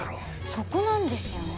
そこなんですよね。